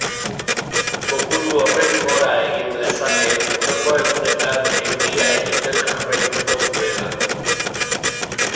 Kopuru horrek gora egin lezake, hurrengo egunetan euria egiten jarraituko duelako.